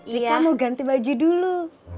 rika mau ganti baju dulu